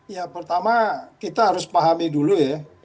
ya pertama kita harus pahami dulu ya